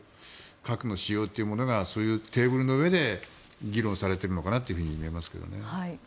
核の使用というものがそういうテーブルの上で議論されているのかなと見えますけどね。